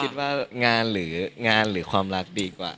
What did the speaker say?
เธอคิดว่างานหรือความรักดีกว่า